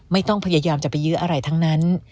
ไม่ต้องพยายามจะไปยื้ออะไรทั้งนั้น